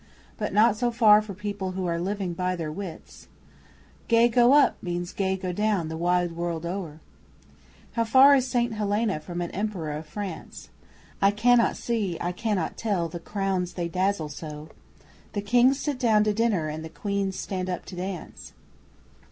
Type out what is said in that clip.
But not so far for people who are living by their wits. ['Gay go up' means 'gay go down' the wide world o'er!) How far is St Helena from an Emperor of France? I cannot see I cannot tell the crowns they dazzle so. The Kings sit down to dinner, and the Queens stand up to dance.